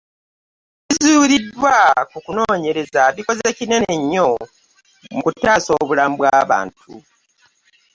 Ebizuuliddwa mu kunoonyereza bikoze kinene nnyo mu kutaasa obulamu bw'abantu